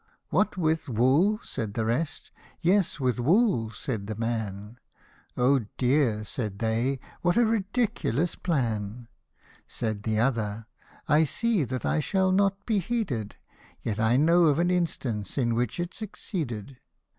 " What, with wool ?" said the rest ;" Yes, with wool" said the man ;" O dear !" said they, " what a ridiculous plan !" Said the other, " I see that I shall not be heeded, Yet I know of an instance in which it succeeded."